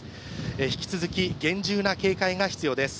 引き続き厳重な警戒が必要です。